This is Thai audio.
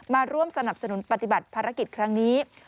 มาร่วมสนับสนุนปฏิบัติภารกิจครั้งนี้